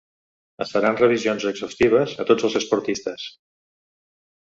Es faran revisions exhaustives a tots els esportistes.